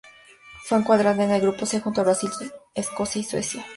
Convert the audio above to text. Fue encuadrada en el grupo C junto a Brasil, Escocia y Suecia.